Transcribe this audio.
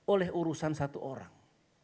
oleh urusan satu orang